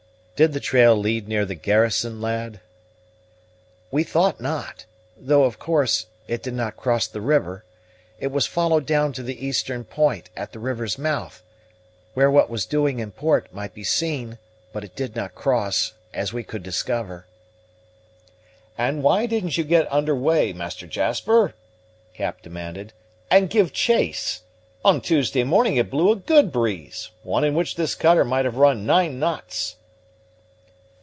"Did the trail lead near the garrison, lad?" "We thought not; though, of course, it did not cross the river. It was followed down to the eastern point, at the river's mouth, where what was doing in port, might be seen; but it did not cross, as we could discover." "And why didn't you get under weigh, Master Jasper," Cap demanded, "and give chase? On Tuesday morning it blew a good breeze; one in which this cutter might have run nine knots."